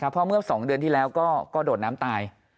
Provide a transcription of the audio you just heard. เพราะเมื่อ๒เดือนที่แล้วก็โดดน้ำตาย